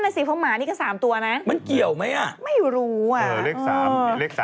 นั่นไงสิเพราะหมานี่กัน๓ตัวนะไม่รู้อะเออเลข๓มีเลข๓